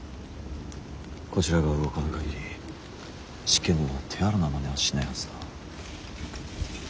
こちらが動かぬ限り執権殿は手荒なまねはしないはずだ。